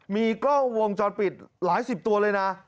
มีกล้องวงจรปิดหลายสิบตัวเลยนะ